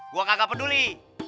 gue gak peduli